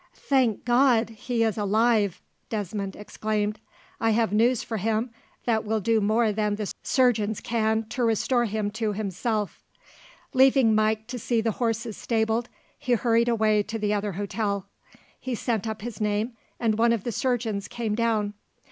"Thank God, he is alive!" Desmond exclaimed. "I have news for him that will do more than the surgeons can to restore him to himself." Leaving Mike to see the horses stabled, he hurried away to the other hotel. He sent up his name, and one of the surgeons came down.